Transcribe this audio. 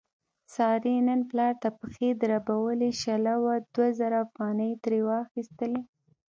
سارې نن پلار ته پښې دربولې، شله وه دوه زره افغانۍ یې ترې واخستلې.